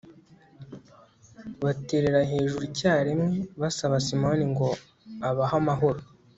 baterera hejuru icyarimwe basaba simoni ngo abahe amahoro